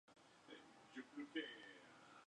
Se encuentra en Etiopía, Camerún Somalia y Togo.